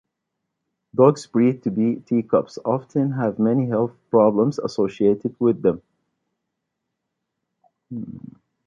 Dogs bred to be "teacups" often have many health problems associated with them.